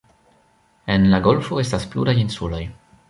En la golfo estas pluraj insuloj.